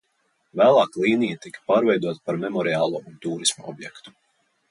Vēlāk līnija tika pārveidota par memoriālo un tūrisma objektu.